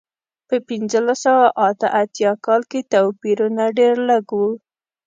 په پنځلس سوه اته اتیا کال کې توپیرونه ډېر لږ و.